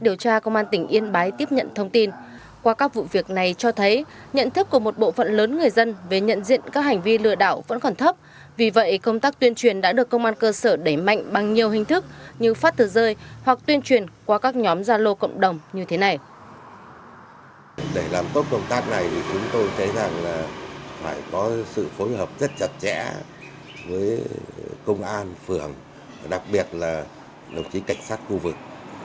để làm tốt công tác này thì chúng tôi thấy rằng là phải có sự phối hợp rất chặt chẽ với công an phường đặc biệt là đồng chí cảnh sát khu vực